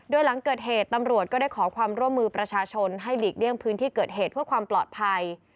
โดยหลังเกิดเหตุตำรวจก็ได้ขอความร่วมมือประชาชนให้หลีกเลี่ยงพื้นที่เกิดเหตุเพื่อความปลอดภัย